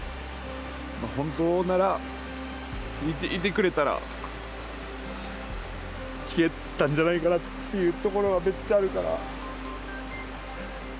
本当なら、いてくれたら、聞けてたんじゃないかなっていうところは、めっちゃあるから。